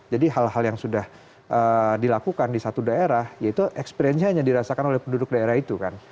jadi hal hal yang sudah dilakukan di satu daerah ya itu experience nya hanya dirasakan oleh penduduk daerah itu kan